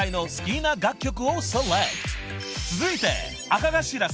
［続いて］